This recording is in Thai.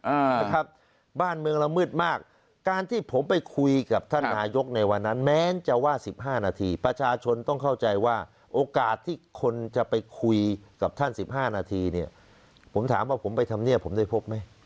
อ่านะครับบ้านเมืองละมืดมากการที่ผมไปคุยกับท่านนายกในวันนั้นแม้จะว่าสิบห้านาทีประชาชนต้องเข้าใจว่าโอกาสที่คนจะไปคุยกับท่านสิบห้านาทีเนี่ยผมถามว่าผมไปทำเนียบผมได้พบไหม